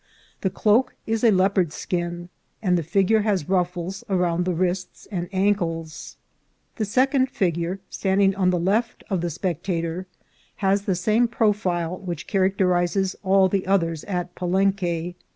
The cloak is a leopard's skin, and the figure has ruffles around the wrists and ancles. The second figure, standing on the left of the specta tor, has the same profile which characterizes all the others at Palenque.